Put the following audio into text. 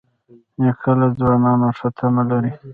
نیکه له ځوانانو ښه تمه لري.